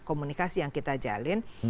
komunikasi yang kita jalin